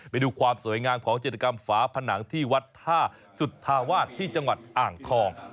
ไปดูความสวยงามของจิตกรรมฝาผนังที่วัดท่าสุธาวาสที่จังหวัดอ่างทอง